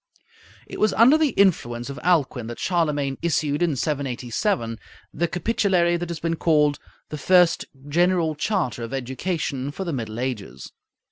It was under the influence of Alcuin that Charlemagne issued in 787 the capitulary that has been called "the first general charter of education for the Middle Ages."